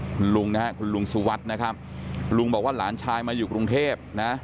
คุณลุงนะฮะคุณลุงสุวัสดิ์นะครับลุงบอกว่าหลานชายมาอยู่กรุงเทพนะ